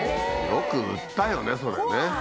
よく売ったよねそれね。